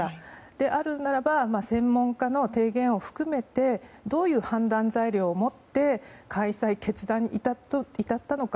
であるならば専門家の提言を含めてどういう判断材料をもって開催決断に至ったのか。